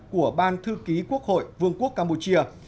của ban thư ký quốc hội vương quốc campuchia